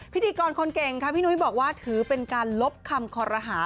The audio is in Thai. พิธีกรคนเก่งค่ะพี่นุ้ยบอกว่าถือเป็นการลบคำคอรหา